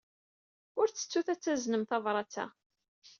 Ur ttettut ad taznem tabṛat-a.